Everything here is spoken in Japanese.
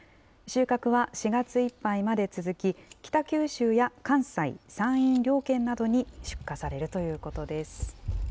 収穫は４月いっぱいまで続き、北九州や関西、山陰両県などに出荷されるということです。